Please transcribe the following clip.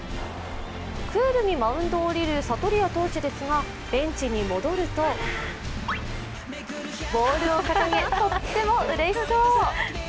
クールにマウンドを降りるサトリア投手ですがベンチに戻ると、ボールを掲げ、とってもうれしそう。